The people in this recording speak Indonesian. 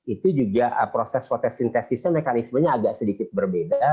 itu juga proses fotosintesisnya mekanismenya agak sedikit berbeda